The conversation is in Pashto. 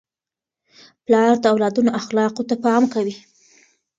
پلار د اولادونو اخلاقو ته پام کوي.